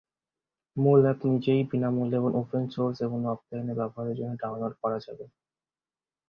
মূল অ্যাপ নিজেই বিনামূল্যে এবং ওপেন সোর্স, এবং অফলাইন ব্যবহারের জন্য ডাউনলোড করা যাবে।